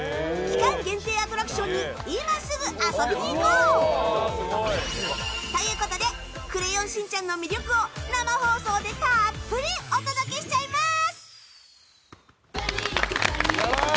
期間限定アトラクションに今すぐ遊びに行こう！ということで「クレヨンしんちゃん」の魅力を生放送でたっぷりお届けしちゃいます！